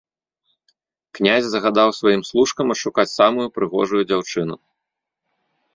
Князь загадаў сваім служкам адшукаць самую прыгожую дзяўчыну.